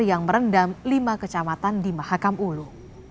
yang merendam lima kecamatan di mahakam ulu